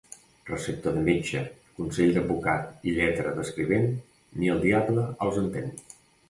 Recepta de metge, consell d'advocat i lletra d'escrivent, ni el diable els entén.